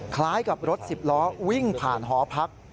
คล้ายกับรถสิบล้อวิ่งผ่านหอพัก